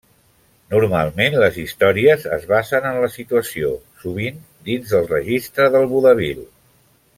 Normalment les històries es basen en la situació, sovint dins del registre del vodevil.